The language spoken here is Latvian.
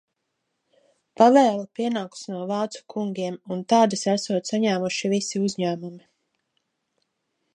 Pavēle pienākusi no vācu kungiem, un tādas esot saņēmuši visi uzņēmumi.